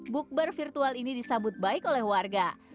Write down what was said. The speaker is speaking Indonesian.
bukbar virtual ini disambut baik oleh warga